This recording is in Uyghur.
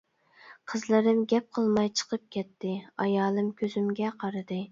قىزلىرىم گەپ قىلماي چىقىپ كەتتى، ئايالىم كۆزۈمگە قارىدى.